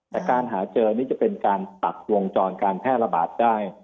แต่การหาเจอนี่จะเป็นการตัดวงจรการแพร่ระบาดได้